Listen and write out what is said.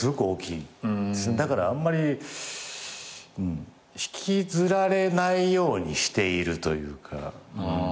だからあんまり引きずられないようにしているというか。